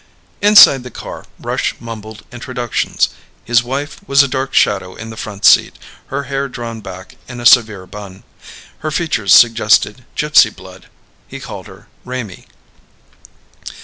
Inside the car, Rush mumbled introductions. His wife was a dark shadow in the front seat, her hair drawn back in a severe bun. Her features suggested gypsy blood. He called her Raimee.